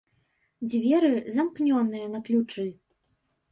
Дзверы, замкнёныя на ключы.